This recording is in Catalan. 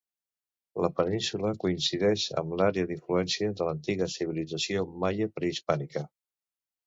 La península coincideix amb l'àrea d'influència de l'antiga civilització maia prehispànica.